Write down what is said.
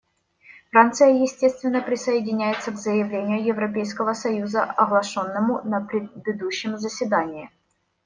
Франция, естественно, присоединяется к заявлению Европейского союза, оглашенному на предыдущем заседании.